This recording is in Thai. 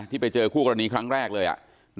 ที่ไปเจอผู้คราวนี้คนที่พาคือกรณีครั้งแรก